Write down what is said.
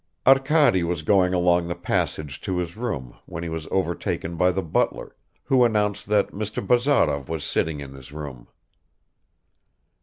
Arkady was going along the passage to his room when he was overtaken by the butler, who announced that Mr. Bazarov was sitting in his room.